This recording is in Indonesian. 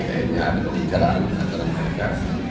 kayaknya ada pembicaraan antara mereka